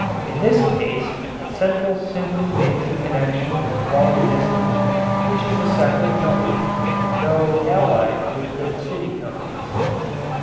In this case central simply makes connection with "Long Distance," which is a separate company, though allied with the city companies.